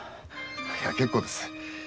いや結構です。